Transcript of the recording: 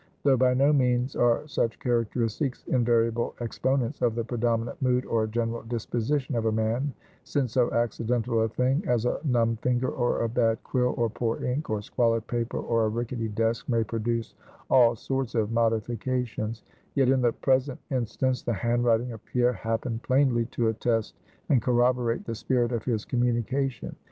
Though by no means are such characteristics invariable exponents of the predominant mood or general disposition of a man (since so accidental a thing as a numb finger, or a bad quill, or poor ink, or squalid paper, or a rickety desk may produce all sorts of modifications), yet in the present instance, the handwriting of Pierre happened plainly to attest and corroborate the spirit of his communication.